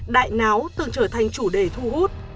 đại náo từng trở thành chủ đề thu hút